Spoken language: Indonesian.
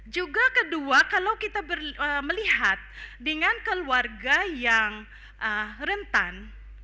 juga kedua kalau kita melihat dengan keluarga yang rentan